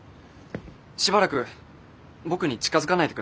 しばらく僕に近づかないでください。